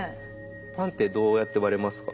パンってどうやって割れますか？